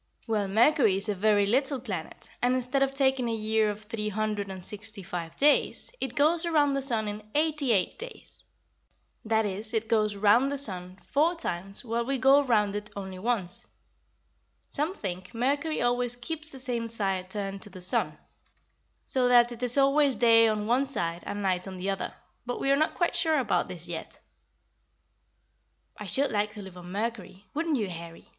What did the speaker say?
"Well, Mercury is a very little planet, and instead of taking a year of three hundred and sixty five days, it goes around the sun in eighty eight days. That is, it goes round the sun four times while we go round it only once. Some think Mercury always keeps the same side turned to the sun, so that it is always day on one side and night on the other, but we are not quite sure about this yet." "I should like to live on Mercury, wouldn't you, Harry?"